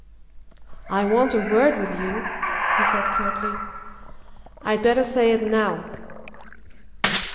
"I want a word with you," he said curtly. "I'd better say it now."